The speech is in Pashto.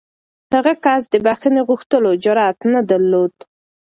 هغه کس د بښنې غوښتلو جرات نه درلود.